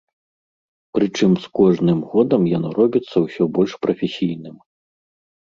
Прычым з кожным годам яно робіцца ўсё больш прафесійным.